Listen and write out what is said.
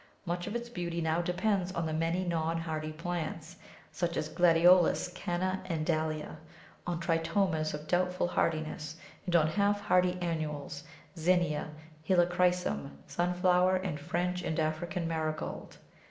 Much of its beauty now depends on the many non hardy plants, such as Gladiolus, Canna, and Dahlia, on Tritomas of doubtful hardiness, and on half hardy annuals Zinnia, Helichrysum, Sunflower, and French and African Marigold.